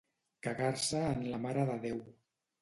Cagar-se en la Mare de Déu.